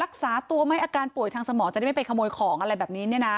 รักษาตัวไหมอาการป่วยทางสมองจะได้ไม่ไปขโมยของอะไรแบบนี้เนี่ยนะ